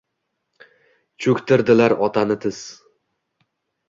Cho’ktirdilar otani tiz